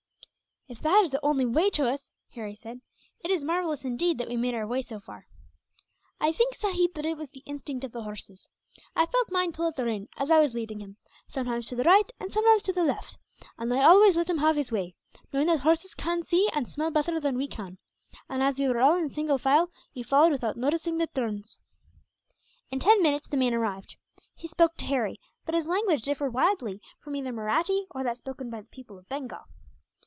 "If that is the only way to us," Harry said, "it is marvellous, indeed, that we made our way so far." "I think, sahib, that it was the instinct of the horses. I felt mine pull at the rein, as I was leading him, sometimes to the right and sometimes to the left; and I always let him have his way, knowing that horses can see and smell better than we can and, as we were all in single file, you followed without noticing the turns." In ten minutes the man arrived. He spoke to Harry, but his language differed widely from either Mahratti or that spoken by the people of Bengal.